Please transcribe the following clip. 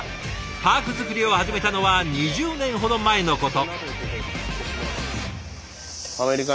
パーク作りを始めたのは２０年ほど前のこと。